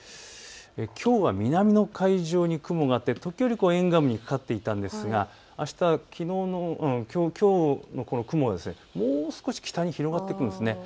きょうは南の海上に雲があって時折、沿岸部にかかっていたんですがあしたはきょうのこの雲がもう少し北に広がってくるんです。